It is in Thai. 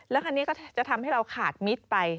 แล้วคราวนี้ก็จะถึงจะทำให้เราขาดมิดไป